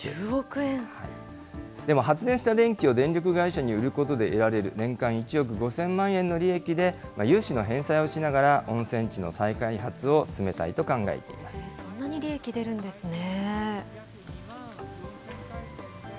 でも発熱した電気を電力会社に売ることで得られる年間１億５０００万円の利益で、融資の返済をしながら、温泉地の再開発を進そんなに利益、出るんですね。